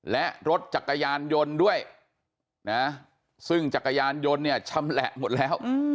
และรถจักรยานยนต์ด้วยนะซึ่งจักรยานยนต์เนี่ยชำแหละหมดแล้ว